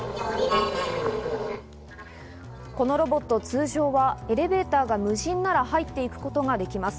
このロボット、通常はエレベーターが無人なら入っていくことができます。